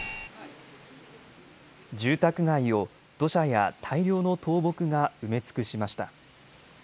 住宅街を土砂や大量の倒木が埋め尽くしました。